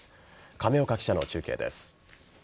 亀岡記者の中継です。